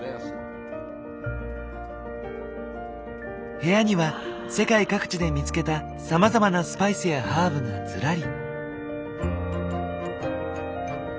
部屋には世界各地で見つけたさまざまなスパイスやハーブがずらり。